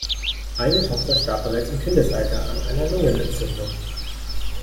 Eine Tochter starb bereits im Kindesalter an einer Lungenentzündung.